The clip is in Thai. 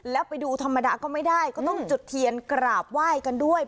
แล้วไปดูธรรมดาก็ไม่ได้ก็ต้องจุดเทียนกราบไหว้กันด้วย